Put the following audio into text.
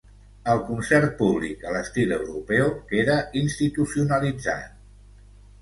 El concert públic a l'estil europeu queda institucionalitzat.